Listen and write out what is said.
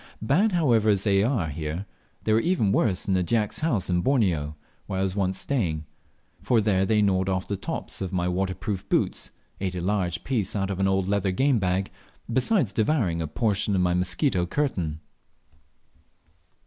Bad, however, as they are here, they were worse in a Dyak's house in Borneo where I was once staying, for there they gnawed off the tops of my waterproof boots, ate a large piece out of an old leather game bag, besides devouring a portion of my mosquito curtain!